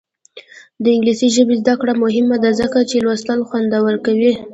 د انګلیسي ژبې زده کړه مهمه ده ځکه چې لوستل خوندور کوي.